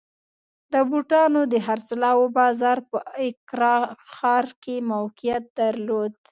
د بوټانو د خرڅلاو بازار په اکرا ښار کې موقعیت درلود.